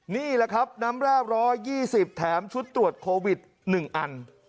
นี่แหละครับน้ำร่าบร้อยยี่สิบแถมชุดตรวจโควิดฟรีหนึ่งอัน